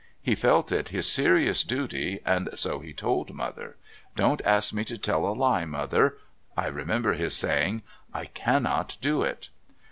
He felt it his serious duty, and so he told Mother. 'Don't ask me to tell a lie, Mother,' I remember his saying. 'I cannot do it.'"